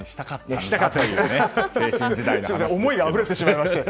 すみません思いがあふれてしまいまして。